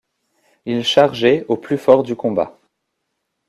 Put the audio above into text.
Ils chargeaient au plus fort du combat.